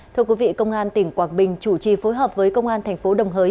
thưa quý vị công an tỉnh quảng bình chủ trì phối hợp với công an thành phố đồng hới